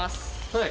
はい。